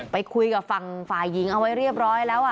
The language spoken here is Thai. ไปคุยกับฝั่งฝ่ายหญิงเอาไว้เรียบร้อยแล้ว